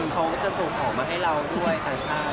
เขาจะส่งของมาให้เราด้วยต่างชาติ